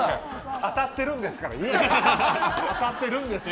当たってるんですから。